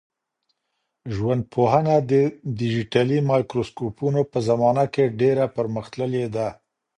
ژوندپوهنه د ډیجیټلي مایکروسکوپونو په زمانه کي ډېره پرمختللې ده.